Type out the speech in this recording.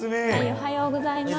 おはようございます。